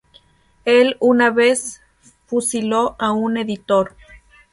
Él una vez fusiló a un editor".